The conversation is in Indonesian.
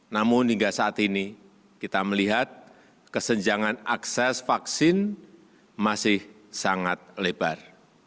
namun hingga saat ini kita melihat kesenjangan akses vaksin masih sangat lebar